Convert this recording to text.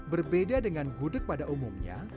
berbeda dengan gudeg pada umumnya